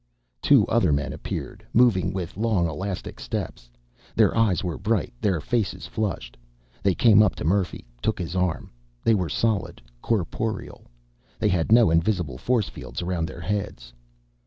Two other men appeared, moving with long elastic steps. Their eyes were bright, their faces flushed. They came up to Murphy, took his arm. They were solid, corporeal. They had no invisible force fields around their heads.